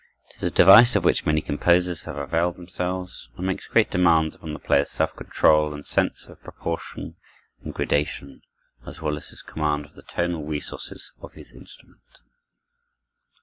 It is a device of which many composers have availed themselves, and makes great demands upon the player's self control and sense of proportion and gradation, as well as his command of the tonal resources of his instrument.